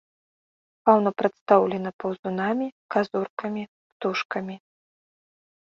Фаўна прадстаўлена паўзунамі, казуркамі, птушкамі.